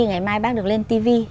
ngày mai bác được lên tv